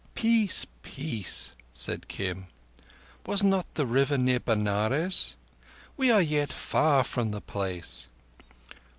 "Peace, peace," said Kim. "Was not the River near Benares? We are yet far from the place."